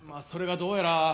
それがどうやら。